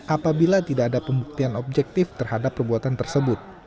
apabila tidak ada pembuktian objektif terhadap perbuatan tersebut